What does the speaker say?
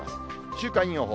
週間予報。